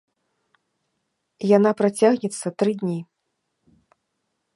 Яна працягнецца тры дні.